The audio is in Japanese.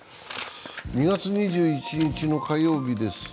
２月２１日の火曜日です。